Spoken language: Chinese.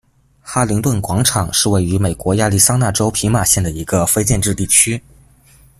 哈灵顿广场是位于美国亚利桑那州皮马县的一个非建制地区。